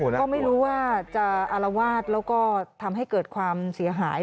ก็ไม่รู้ว่าจะอารวาสแล้วก็ทำให้เกิดความเสียหาย